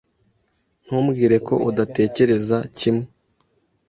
Ntumbwire ko udatekereza kimwe.